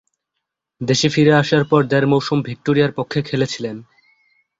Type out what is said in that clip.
দেশে ফিরে আসার পর দেড় মৌসুম ভিক্টোরিয়ার পক্ষে খেলেছিলেন।